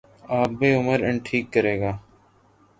آب عمر انٹهیک کرے گا